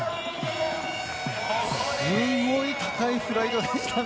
すごい高いフライトでしたね。